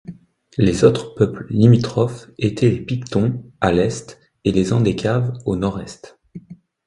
Les autres peuples limitrophes étaient les Pictons à l'est et les Andécaves au nord-est.